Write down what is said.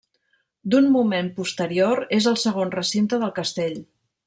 D'un moment posterior és el segon recinte del castell.